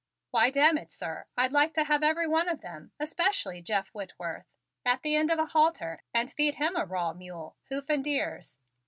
Why, damn it, sir, I'd like to have every one of them, especially Jeff Whitworth, at the end of a halter and feed him a raw mule, hoof and ears.